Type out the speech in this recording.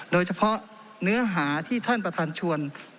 โดยเฉพาะเนื้อหาที่ท่านประทันช่วยนี่นะครับ